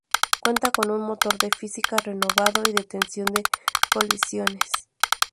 Cuenta con un motor de física renovado y detección de colisiones.